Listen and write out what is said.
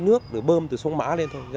nước được bơm từ sông mã lên thôi